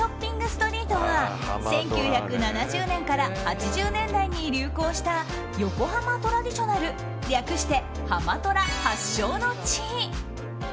ストリートは１９７０年から８０年代に流行したヨコハマ・トラディショナル略してハマトラ発祥の地。